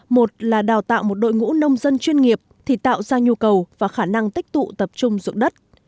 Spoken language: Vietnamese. một là đào tạo một đội ngũ nông dân chuyên nghiệp thì tạo ra nhu cầu và khả năng tích tụ tập trung dụng đất